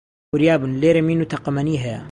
وریا بن، لێرە مین و تەقەمەنی هەیە